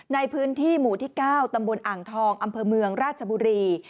ในพื้นที่หมู่ที่๙ตำบลอ่างทองอำเภอเมืองราชบุรี